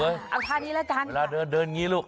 เอาท่านี้แล้วกันเวลาเดินเดินอย่างนี้ลูก